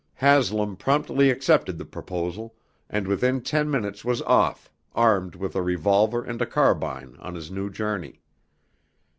Haslam promptly accepted the proposal, and within ten minutes was off, armed with a revolver and carbine, on his new journey.